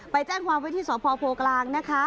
ไปแจ้งความวิที่สพก